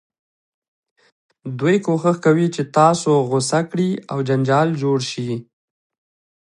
دوی کوښښ کوي چې تاسو غوسه کړي او جنجال جوړ شي.